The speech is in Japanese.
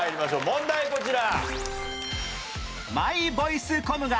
問題こちら。